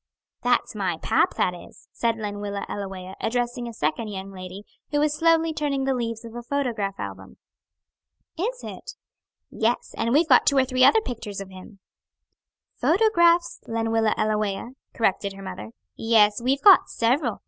"That's my pap, that is," said Lenwilla Ellawea, addressing a second young lady, who was slowly turning the leaves of a photograph album. "Is it?" "Yes, and we've got two or three other picters of him." "Photographs, Lenwilla Ellawea," corrected her mother. "Yes, we've got several.